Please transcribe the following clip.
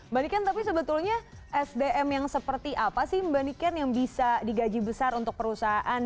mbak niken tapi sebetulnya sdm yang seperti apa sih mbak niken yang bisa digaji besar untuk perusahaan